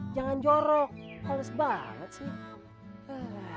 jangan jorok halus banget sih